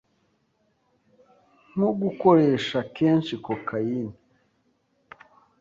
nko gukoresha kenshi cocaine